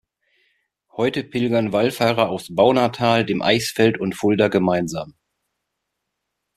Heute pilgern Wallfahrer aus Baunatal, dem Eichsfeld und Fulda gemeinsam.